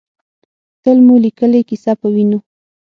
تل مو لیکلې ، کیسه پۀ وینو